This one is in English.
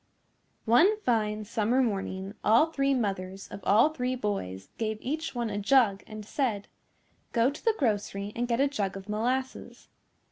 One fine summer morning all three mothers of all three boys gave each one a jug and said, "Go to the grocery and get a jug of molasses."